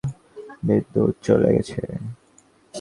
বিদ্যুৎ চলে গেছে।